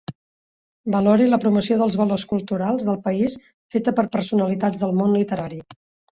Valore la promoció dels valors culturals del país feta per personalitats del món literari.